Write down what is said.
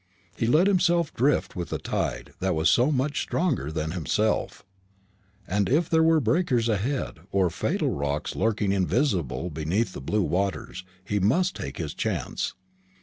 He let himself drift with the tide that was so much stronger than himself; and if there were breakers ahead, or fatal rocks lurking invisible beneath the blue waters, he must take his chance.